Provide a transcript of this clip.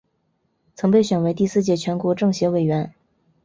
曾被选为第四届全国政协委员。